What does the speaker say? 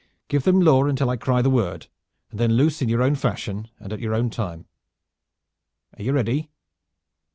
Give them law until I cry the word, then loose in your own fashion and at your own time. Are you ready!